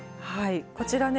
こちらね